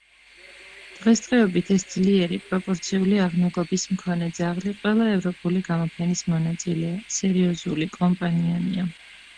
დღესდღეობით ეს ძლიერი, პროპორციული აღნაგობის მქონე ძაღლი ყველა ევროპული გამოფენის მონაწილეა, სერიოზული, კომპანიონია.